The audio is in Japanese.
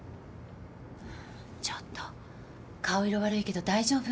ちょっと顔色悪いけど大丈夫？